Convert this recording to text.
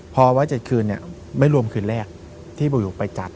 พอไว้๗คืนไม่รวมคืนแรกที่บุหยุคไปจัด